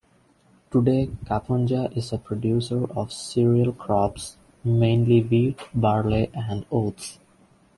Today, Kapunda is a producer of cereal crops, mainly wheat, barley and oats.